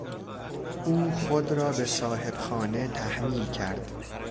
او خود را به صاحبخانه تحمیل کرد.